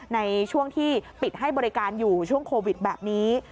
ในช่วงที่ปิดให้บริการอยู่ช่วงโควิดแบบนี้